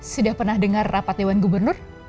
sudah pernah dengar rapat dewan gubernur